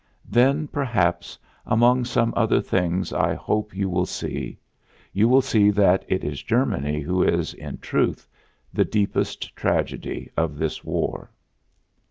Then, perhaps, among some other things I hope you will see, you will see that it is Germany who is, in truth, the deepest tragedy of this war.